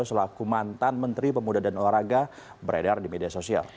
selaku mantan menteri pemuda dan olahraga beredar di media sosial